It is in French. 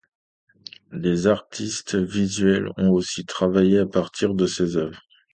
Des artistes visuels ont aussi travaillé à partir de ses œuvres.